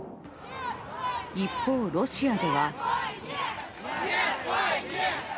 一方、ロシアでは。